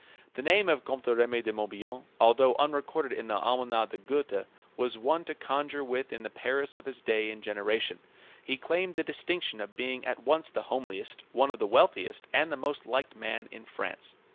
The name of Comte Remy de Morbihan, although unrecorded in the Almanach de Gotha, was one to conjure with in the Paris of his day and generation. He claimed the distinction of being at once the homeliest, one of the wealthiest, and the most liked man in France.